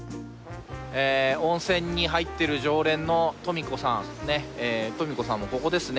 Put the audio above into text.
温泉に入っている常連のトミコさんね、トミコさんも、ここですね。